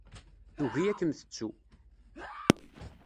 Tugi ad kem-tettu.